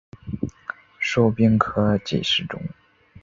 授兵科给事中。